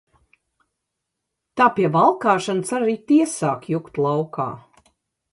Tā pie valkāšanas arī tie sāk jukt laukā.